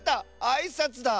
あいさつだ。